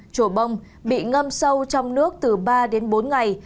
chùa bông bị ngâm sâu trong nước từ ba đến bốn ngày